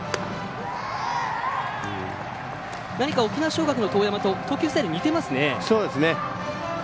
何か沖縄尚学の當山と投球スタイル似てますね。